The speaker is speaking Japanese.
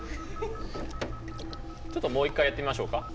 ちょっともう一回やってみましょうか。